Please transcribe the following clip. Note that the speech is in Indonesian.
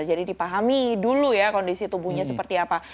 jadi dipahami dulu ya kondisi tubuhnya seperti apa